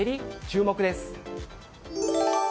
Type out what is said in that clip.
注目です。